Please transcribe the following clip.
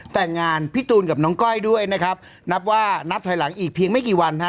แต่งงานพี่ตูนกับน้องก้อยด้วยนะครับนับว่านับถอยหลังอีกเพียงไม่กี่วันฮะ